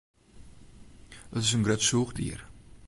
It is in grut sûchdier.